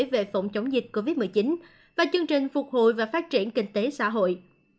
về phòng chống dịch covid một mươi chín và chương trình phục hồi và phát triển kinh tế xã hội